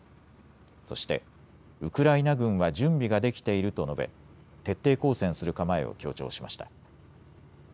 そしてウクライナ軍は準備ができていると述べ徹底抗戦する構えを強調しました。